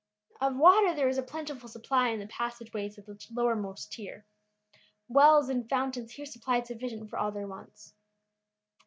Of water there was a plentiful supply in the passage ways of the lowermost tier. Wells and fountains here supplied sufficient for all their wants.